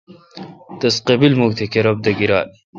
تس قبیمکھ تہ کرب دہ گیرال۔